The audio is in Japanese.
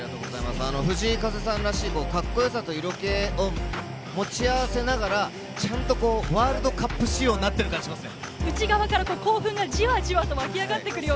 藤井風さんらしいカッコよさと色気を持ち合わせながら、ちゃんとワールドカップ仕様になってる感じがしますね。